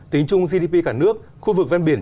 tính chung gdp cả nước khu vực ven biển